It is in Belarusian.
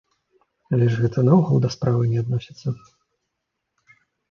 Але ж гэта наогул да справы не адносіцца.